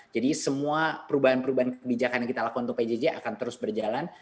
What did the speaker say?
jadi semua perubahan perubahan kebijakan yang kita lakukan untuk pjj akan terus berjalan